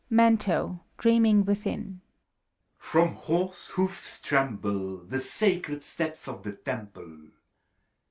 MANTO (dreaming within). From horse hoofs tremble The sacred steps of the Temple!